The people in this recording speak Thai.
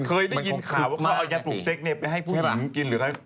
เคยได้ยินข่าวว่าเขาเอายาปลูกเซ็กเนี่ยไปให้ผู้หญิงกินหรืออะไร